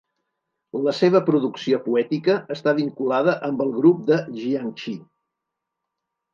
La seva producció poètica està vinculada amb el Grup de Jiangxi.